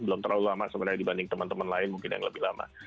belum terlalu lama sebenarnya dibanding teman teman lain mungkin yang lebih lama